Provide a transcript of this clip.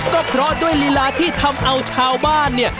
ก็เพราะด้วยลีลาที่ทำเอาชาวบ้านเนี่ย